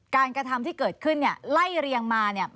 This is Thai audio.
การกระทำที่เกิดขึ้นไล่เรียงมา